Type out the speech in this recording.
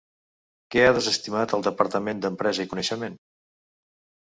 Què ha desestimat el Departament d'Empresa i Coneixement?